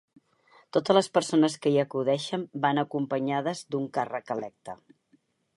Totes les persones que hi acudeixen van acompanyades d’un càrrec electe.